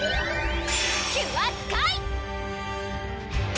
キュアスカイ！